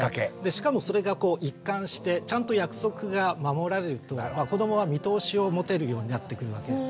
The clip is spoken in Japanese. しかもそれが一貫してちゃんと約束が守られると子どもは見通しを持てるようになってくるわけです。